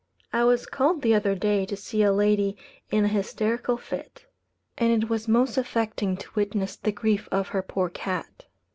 I was called the other day to see a lady in a hysterical fit; and it was most affecting to witness the grief of her poor cat.